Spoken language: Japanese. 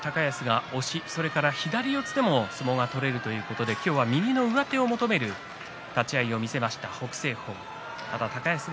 高安が押しそして左四つでも相撲が取れるということで今日は右の上手を求めました北青鵬です。